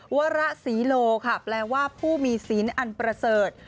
วรศรีโลค่ะแปลว่าผู้มีศีลอันประเสริฐ